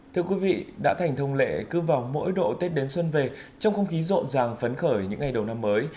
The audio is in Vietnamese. thưa quý vị đã thành thông lệ cứ vào mỗi độ tết đến xuân về trong không khí rộn ràng phấn khởi những ngày đầu năm mới